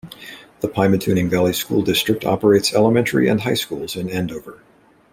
The Pymatuning Valley School District operates elementary and high schools in Andover.